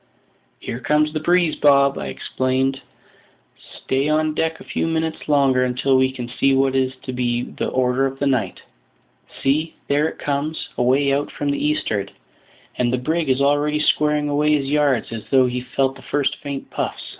"Here comes the breeze, Bob!" I exclaimed. "Stay on deck a few minutes longer until we can see what is to be the order of the night. See, there it comes, away out from the eastward; and the brig is already squaring away his yards, as though he felt the first faint puffs.